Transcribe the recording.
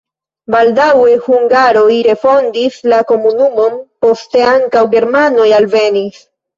Baldaŭe hungaroj refondis la komunumon, poste ankaŭ germanoj alvenis.